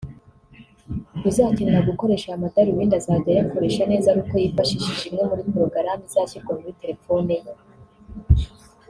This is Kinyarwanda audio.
uzakenera gukoresha aya madarubindi azajya ayakoresha neza ari uko yifashishije imwe muri porogaramu izashyirwa muri telefone ye